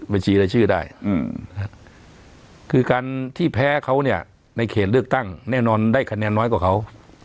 ว่าการแพ้เขาในเขตเลือกตั้งแน่นอนได้คะแนนน้อยกว่าเขา